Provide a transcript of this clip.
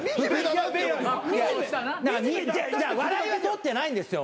いや笑いは取ってないんですよ。